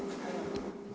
あ。